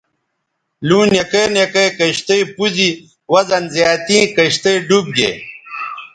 لُوں نکے نکے کشتئ پوز ی وزن زیاتیں کشتئ ڈوب گے